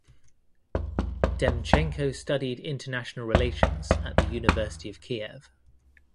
Demchenko studied International relations at the University of Kiev.